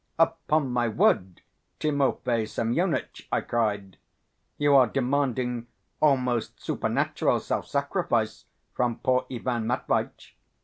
"Upon my word, Timofey Semyonitch!" I cried, "you are demanding almost supernatural self sacrifice from poor Ivan Matveitch."